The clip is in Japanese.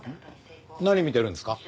何見てるんですか？